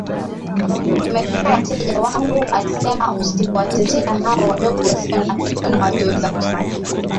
wamekuwa wateja wangu alisemaUsipowatetea hawa wadogo wasio na kitu na wasioweza kusema siku